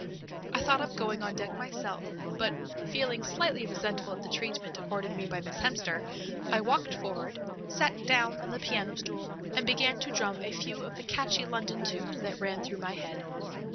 I thought of going on deck myself, but, feeling slightly resentful at the treatment accorded me by Miss Hemster, I walked forward, sat down on the piano stool, and began to drum a few of the catchy London tunes that ran through my head.